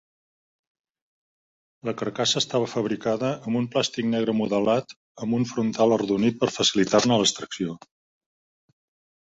La carcassa estava fabricada amb un plàstic negre modelat amb un frontal arrodonit per facilitar-ne l'extracció.